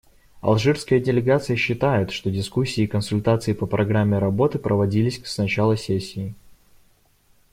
Алжирская делегация считает, что дискуссии и консультации по программе работы проводились с начала сессии.